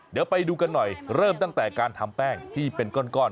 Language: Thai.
เดี๋ยวไปดูกันหน่อยเริ่มตั้งแต่การทำแป้งที่เป็นก้อน